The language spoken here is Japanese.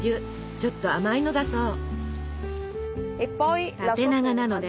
ちょっと甘いのだそう。